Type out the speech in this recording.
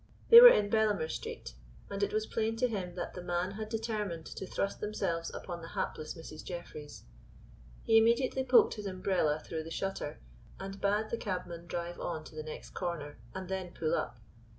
They were in Bellamer Street, and it was plain to him that the men had determined to thrust themselves upon the hapless Mrs. Jeffreys. He immediately poked his umbrella through the shutter, and bade the cabman drive on to the next corner, and then pull up.